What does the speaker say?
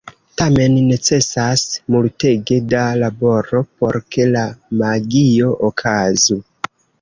Tamen, necesas multege da laboro por ke la magio okazu.